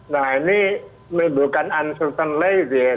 nah ini menimbulkan uncertainty gitu ya